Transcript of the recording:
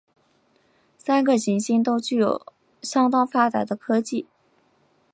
三个行星都具有相当发达的科技。